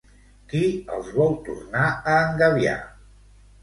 Qui els vol tornar a engabiar?